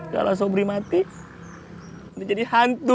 kalau asobri mati nanti jadi hantu